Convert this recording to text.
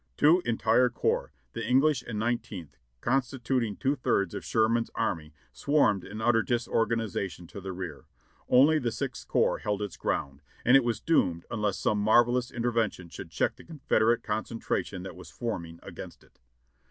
"Two entire corps, the Eighth and Nineteenth, constituting" two thirds of Sherman's army, swarmed in utter disorganization to the rear. Only the Sixth Corps held its ground, and it was doomed unless some marvelous intervention should check the Confederate concentration that was forming against it.